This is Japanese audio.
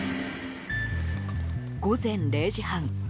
午前０時半